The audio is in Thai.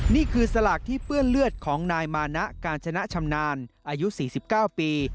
นี่คือสลากที่เปื้อนเลือดของนายมานะการชนะชำนาญอายุ๔๙ปี